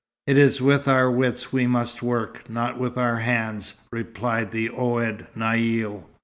"It is with our wits we must work, not with our hands," replied the Ouled Naïl.